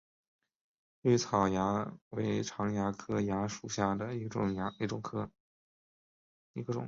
葎草蚜为常蚜科蚜属下的一个种。